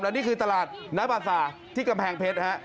แล้วนี่คือตลาดน้ำอาสาที่กระแพงเพชร